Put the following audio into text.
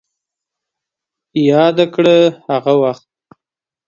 ياده کړه هغه وخت